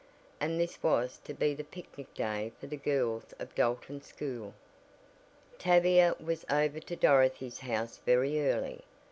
And this was to be the picnic day for the girls of Dalton school. Tavia was over to Dorothy's house very early.